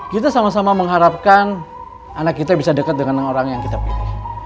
kita sama sama mengharapkan anak kita bisa dekat dengan orang yang kita pilih